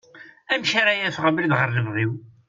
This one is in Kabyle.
Amek ara aɣef abrid ɣer lebɣi-w?